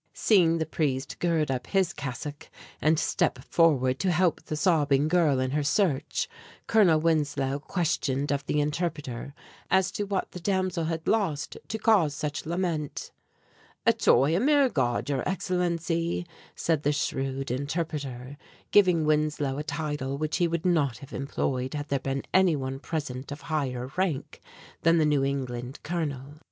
Seeing the priest gird up his cassock and step forward to help the sobbing girl in her search; Colonel Winslow questioned of the interpreter as to what the damsel had lost to cause such lament. "A toy, a mere gaud, your Excellency," said the shrewd interpreter, giving Winslow a title which he would not have employed had there been any one present of higher rank than the New England Colonel.